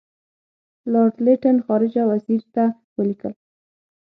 لارډ لیټن خارجه وزیر ته ولیکل.